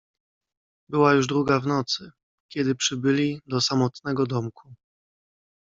"Była już druga w nocy, kiedy przybyli do samotnego domku."